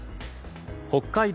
北海道